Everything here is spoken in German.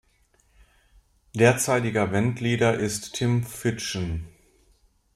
Derzeitiger Bandleader ist Timm Fitschen.